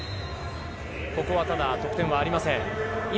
ここは得点はありません。